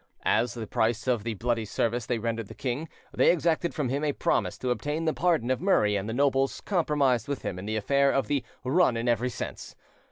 As the price of the bloody service they rendered the king, they exacted from him a promise to obtain the pardon of Murray and the nobles compromised with him in the affair of the "run in every sense".